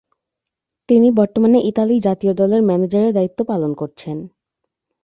তিনি বর্তমানে ইতালি জাতীয় দলের ম্যানেজারের দায়িত্ব পালন করছেন।